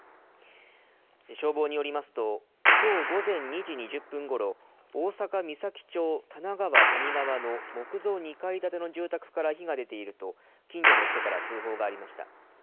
消防によりますと、きょう午前２時２０分ごろ、大阪・岬町多奈川谷川の木造２階建ての住宅から火が出ていると、近所の人から通報がありました。